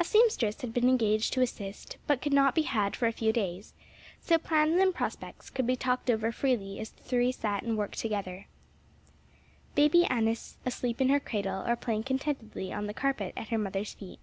A seamstress had been engaged to assist but could not be had for a few days; so plans and prospects could be talked over freely as the three sat and worked together, Baby Annis asleep in her cradle or playing contentedly on the carpet at her mother's feet.